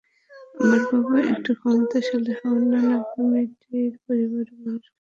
আমার বাবা একটু ক্ষমতাশালী হওয়ায় নানাভাবে মেয়েটির পরিবারের মানুষকে নানা কথা শোনান।